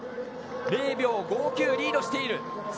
０秒５９リードしている。